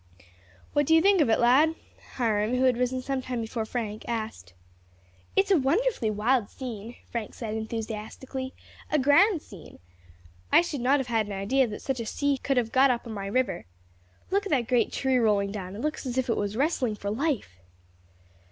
"What do you think of it, lad?" Hiram, who had risen some time before Frank, asked. "It is a wonderfully wild scene," Frank said enthusiastically, "a grand scene! I should not have had an idea that such a sea could have got up on any river. Look at that great tree rolling down, it looks as if it was wrestling for life."